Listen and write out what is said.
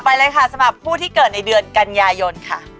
ไปเลยค่ะสำหรับผู้ที่เกิดในเดือนกันยายนค่ะ